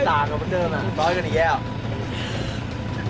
ต่อไปกันแย่หรอ